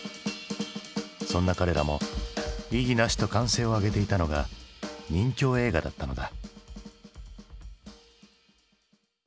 そんな彼らも「異議なし」と歓声を上げていたのが任侠映画だったのだ。